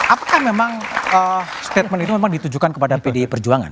apakah memang statement itu memang ditujukan kepada pdi perjuangan